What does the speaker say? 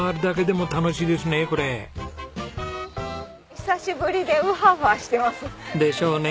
久しぶりでウハウハしてます。でしょうね。